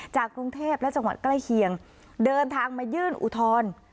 กรุงเทพและจังหวัดใกล้เคียงเดินทางมายื่นอุทธรณ์